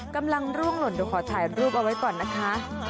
กำลังร่วงหล่นเดี๋ยวขอถ่ายรูปเอาไว้ก่อนนะคะ